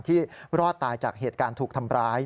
รอดตายจากเหตุการณ์ถูกทำร้าย